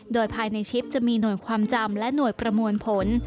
โดยภายในชิปจะมีหน่วยความจำและหน่วยประมวลผล